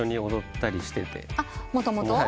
もともと？